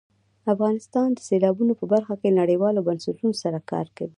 افغانستان د سیلابونو په برخه کې نړیوالو بنسټونو سره کار کوي.